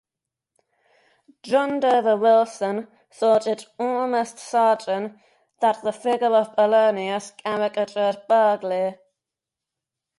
John Dover Wilson thought it almost certain that the figure of Polonius caricatured Burghley.